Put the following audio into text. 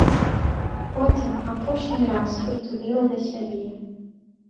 Потым апошні раз прытуліла да сябе.